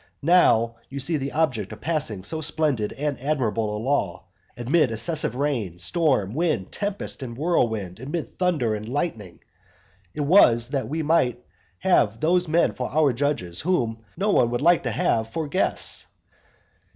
Now you see the object of passing so splendid and admirable a law, amid excessive rain, storm, wind, tempest, and whirlwind, amid thunder and lightning; it was that we might have those men for our judges whom no one would like to have for guests.